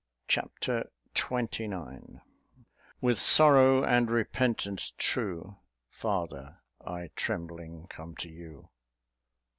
Chapter XXIX With sorrow and repentance true, Father, I trembling come to you.